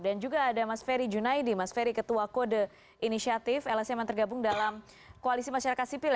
dan juga ada mas ferry junaidi mas ferry ketua kode inisiatif lsm yang tergabung dalam koalisi masyarakat sipil